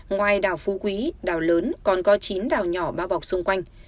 ngoài đảo phú quý đảo lớn còn có chín đảo nhỏ bao bọc xung quanh